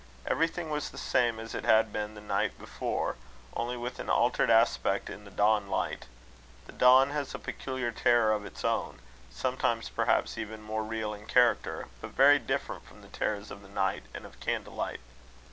Everything was the same as it had been the night before, only with an altered aspect in the dawn light. The dawn has a peculiar terror of its own, sometimes perhaps even more real in character, but very different from the terrors of the night and of candle light.